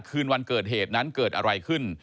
คืนวันเกิดเหตุนั้นเกิดอะไรขึ้น